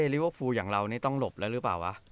ลิเวอร์ฟูลอย่างเรานี่ต้องหลบแล้วหรือเปล่าวะ